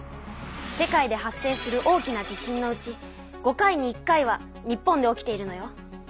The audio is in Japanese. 世界で発生する大きな地震のうち５回に１回は日本で起きているのよ。